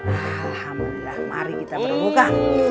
alhamdulillah mari kita berbuka